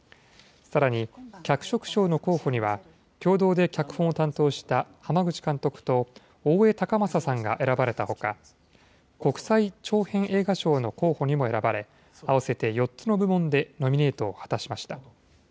さらに脚色賞の候補には共同で脚本を担当した濱口監督と大江崇允さんが選ばれたほか、国際長編映画賞の候補にも選ばれ、合わせて４つの部門でノミネートを果たしました。